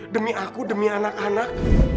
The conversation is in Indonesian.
demi aku demi anak anak